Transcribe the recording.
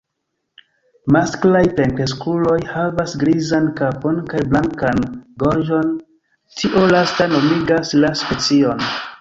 Masklaj plenkreskuloj havas grizan kapon kaj blankan gorĝon, tio lasta nomigas la specion.